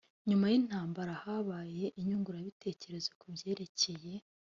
nyuma y intambara habaye iyunguranabitekerezo ku byerekeye